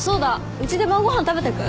うちで晩ご飯食べてく？